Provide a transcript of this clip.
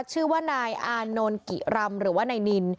ชื่อว่านายอานนท์กิรำหรือว่านายนิน